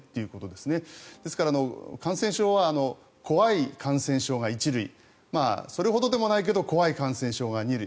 ですから、感染症は怖い感染症が１類それほどでもないけど怖い感染症が２類。